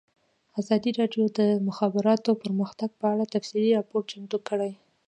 ازادي راډیو د د مخابراتو پرمختګ په اړه تفصیلي راپور چمتو کړی.